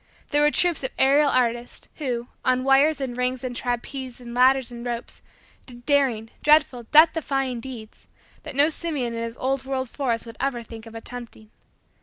There were troops of aerial artists, who, on wires and rings and trapeze and ladders and ropes, did daring, dreadful, death defying, deeds, that no simian in his old world forest would ever think of attempting.